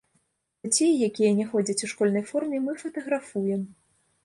Дзяцей, якія не ходзяць у школьнай форме, мы фатаграфуем.